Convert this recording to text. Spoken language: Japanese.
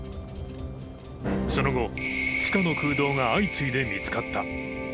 その後、地下の空洞が相次いで見つかった。